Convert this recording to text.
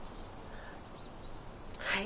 はい。